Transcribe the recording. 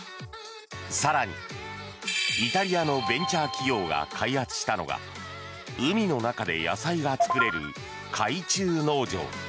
更にイタリアのベンチャー企業が開発したのが海の中で野菜が作れる海中農場。